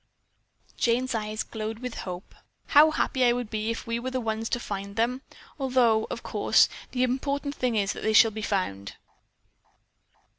Jane's eyes glowed with hope. "How happy I would be if we were the ones to find them, although, of course, the important thing is that they shall be found."